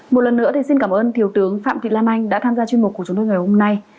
một lần nữa thì xin cảm ơn thiều tướng phạm thị lan anh đã tham gia chuyên mục của chúng tôi ngày hôm nay